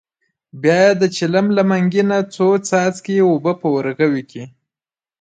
بیا یې د چلم له منګي نه څو څاڅکي اوبه په ورغوي کې.